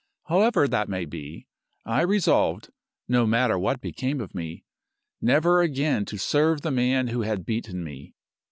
However that may be, I resolved (no matter what became of me) never again to serve the man who had beaten me.